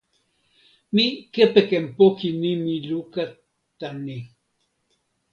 mi kepeken poki nimi luka tan ni.